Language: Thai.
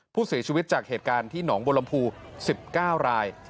ผู้ศือชีวิตจากเหตุการณ์ที่หนองบลมภูกษ์๑๙ราย